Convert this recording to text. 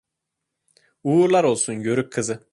Uğurlar olsun, yörük kızı!